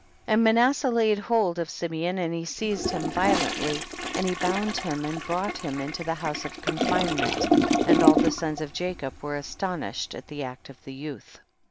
And Manasseh laid hold of Simeon and he seized him violently and he bound him and brought him into the house of confinement, and all the sons of Jacob were astonished at the act of the youth.